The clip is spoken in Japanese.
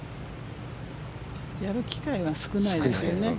やる機会が少ないですよね。